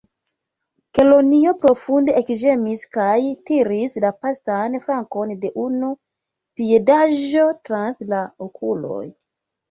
Kelonio profunde ekĝemis, kaj tiris la postan flankon de unu piedaĵo trans la okuloj.